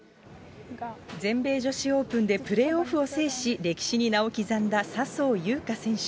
全米女子オープンでプレーオフを制し、歴史に名を刻んだ笹生優花選手。